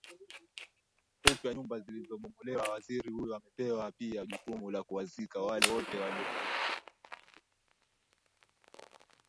upya nyumba zilizobomolewa waziri huyo amepewa pia jukumu la kuwazika wale wote waliouwawa